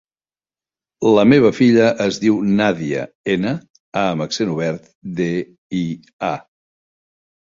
La meva filla es diu Nàdia: ena, a amb accent obert, de, i, a.